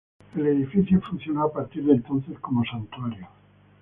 El edificio funcionó a partir de entonces como santuario.